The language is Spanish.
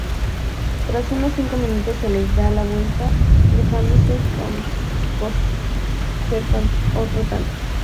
Tras unos cinco minutos se les da la vuelta, dejándose cocer otro tanto.